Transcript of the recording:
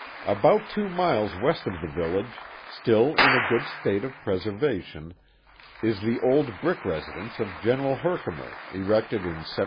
About two miles west of the village, still in a good state of preservation, is the old brick residence of General Hcfkimef, erected in 1764.